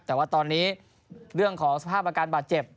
แต่ว่าตอนนี้เรื่องของสภาพอาการบาดเจ็บ